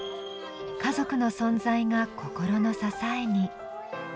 家族の存在が心の支えに。